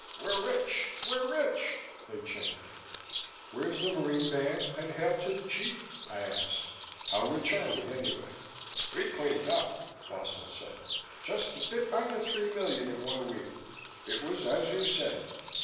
"We're rich! We're rich!" they chanted. "Where's the Marine Band and 'Hail to the Chief'?" I asked. "How rich are we, anyway?" "We cleaned up," Wasson said. "Just a bit under three million in one week. It was as you said.